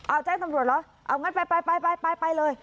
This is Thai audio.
อ้าวแจ้งตำรวจเหรอเอางั้นไปไปไปไปไปไปเลย